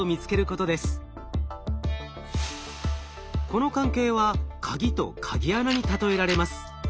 この関係は鍵と鍵穴に例えられます。